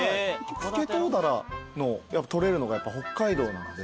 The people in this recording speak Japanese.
スケトウダラの取れるのが北海道なんで。